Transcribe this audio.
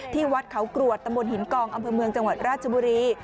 ที่วัดเขากรวดตำบลหินกองอำเภอเมืองจังหวัดราชบุรี